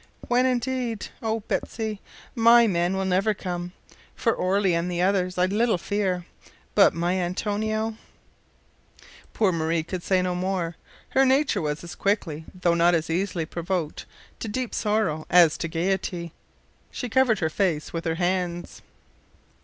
"When, indeed? Oh! Betsy, my man will never come. For Orley and the others I have little fear, but my Antonio " Poor Marie could say no more. Her nature was as quickly, though not as easily, provoked to deep sorrow as to gaiety. She covered her face with her hands.